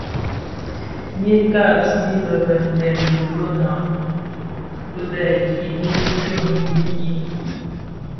Ňyi kabsi bë bëë dèm bilona bibèè gib nyi tum dhiki.